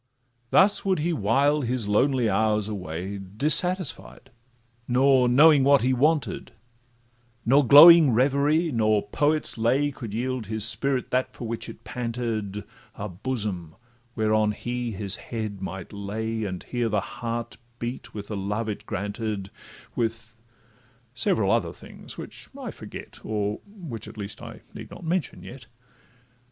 Thus would he while his lonely hours away Dissatisfied, nor knowing what he wanted; Nor glowing reverie, nor poet's lay, Could yield his spirit that for which it panted, A bosom whereon he his head might lay, And hear the heart beat with the love it granted, With—several other things, which I forget, Or which, at least, I need not mention yet.